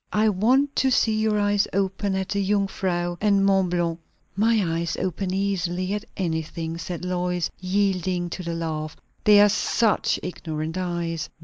I want to see your eyes open at the Jung Frau, and Mont Blanc." "My eyes open easily at anything," said Lois, yielding to the laugh; "they are such ignorant eyes."